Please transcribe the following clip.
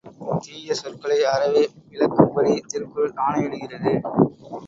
தீய சொற்களை அறவே விலக்கும்படி திருக்குறள் ஆணையிடுகிறது.